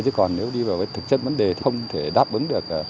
chứ còn nếu đi vào với thực chất vấn đề thì không thể đáp ứng được